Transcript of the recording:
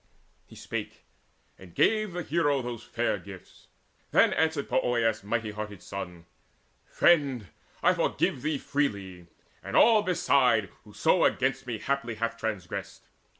He spake, and gave the hero those fair gifts. Then answered Poeas' mighty hearted son; "Friend, I forgive thee freely, and all beside Whoso against me haply hath trangressed.